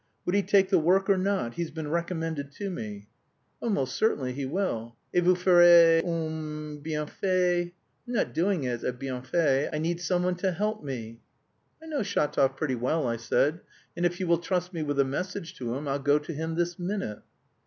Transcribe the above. Would he take the work or not? He's been recommended to me...." "Oh, most certainly he will. Et vous ferez un bienfait...." "I'm not doing it as a bienfait. I need someone to help me." "I know Shatov pretty well," I said, "and if you will trust me with a message to him I'll go to him this minute."